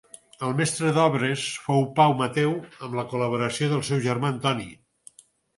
El mestre d'obres fou Pau Mateu, amb la col·laboració del seu germà Antoni.